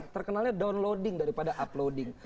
terkenalnya downloading daripada uploading